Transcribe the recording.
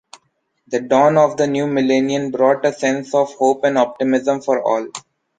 The dawn of the new millennium brought a sense of hope and optimism for all.